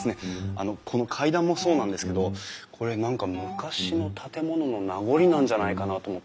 あのこの階段もそうなんですけどこれ何か昔の建物の名残なんじゃないかなと思って。